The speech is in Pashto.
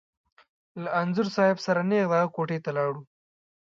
له انځور صاحب سره نېغ د هغه کوټې ته لاړو.